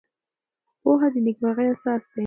پوهه د نېکمرغۍ اساس دی.